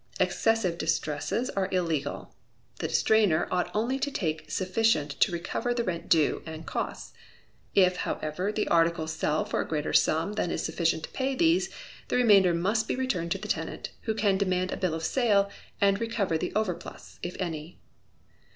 Excessive distresses are illegal. The distrainer ought only to take sufficient to recover the rent due, and costs; if, however, the articles sell for a greater sum than is sufficient to pay these, the remainder must be returned to the tenant, who can demand a bill of the sale, and recover the overplus, if any.